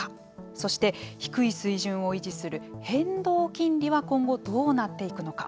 そして低い水準を維持する変動金利は今後どうなっていくのか。